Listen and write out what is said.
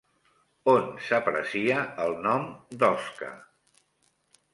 On s'aprecia el nom d'«OSCA»?